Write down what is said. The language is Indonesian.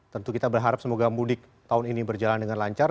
tentu kita berharap semoga mudik tahun ini berjalan dengan lancar